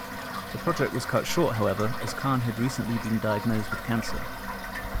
The project was cut short, however, as Karn had recently been diagnosed with cancer.